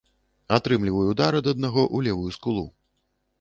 Атрымліваю ўдар ад аднаго ў левую скулу.